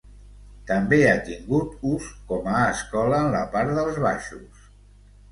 També ha tingut ús com a escola en la part dels baixos.